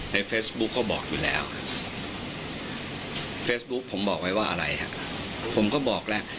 เฟซบุ๊คเขาบอกอยู่แล้วเฟซบุ๊กผมบอกไว้ว่าอะไรฮะผมก็บอกแล้ว